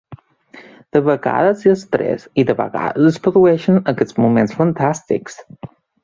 De vegades hi ha estrès i, de vegades, es produeixen aquests moments fantàstics.